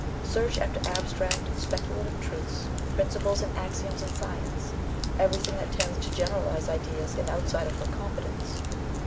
Search after abstract and speculative truths, principles and axioms in science, "everything that tends to generalize ideas is outside of her competence."